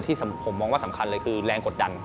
ที่ผมมองว่าสำคัญเลยคือแรงกดดัน